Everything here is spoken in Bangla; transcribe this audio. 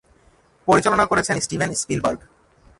পরিচালনা করেছেন স্টিভেন স্পিলবার্গ।